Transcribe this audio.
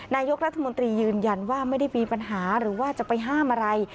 นายกรัฐมนตรียืนยันว่าไม่ได้มีปัญหาหรือว่าจะไปห้ามอะไร